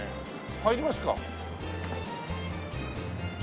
入りますか。